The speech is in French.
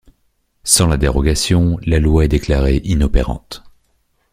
Sans la dérogation, la loi est déclarée inopérante.